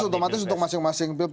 otomatis untuk masing masing